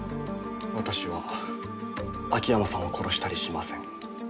私は秋山さんを殺したりしません。